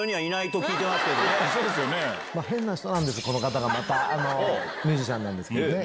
変な人なんですこの方がまたミュージシャンなんですけどね。